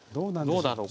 どうだろうか。